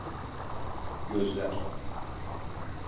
Gözler.